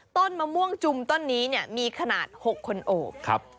ต้นมะม่วงจุ่มต้นนี้มีขนาด๖คนโอบ